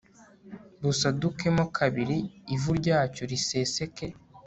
busadukemo kabiri ivu ryacyo riseseke